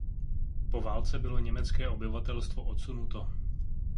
Po válce bylo německé obyvatelstvo odsunuto.